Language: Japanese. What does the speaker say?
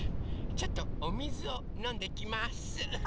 ちょっとおみずをのんできます。